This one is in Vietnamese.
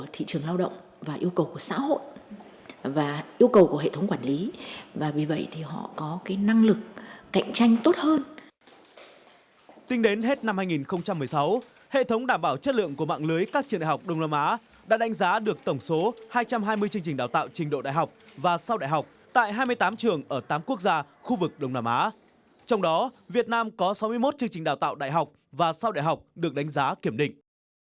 trong đó việt nam có sáu mươi một chương trình đào tạo đại học và sáu đại học được đánh giá kiểm định